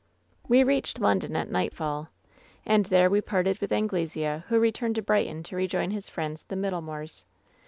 "We reached London at nightfall. And there we parted with Anglesea, who returned to Brighton to re join his friends the Middlemoors.